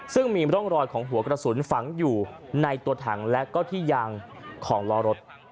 ซึ่งมีร่องรอยของหัวกระสุนฝังอยู่ในตัวถังและก็ที่ยางของล้อรถ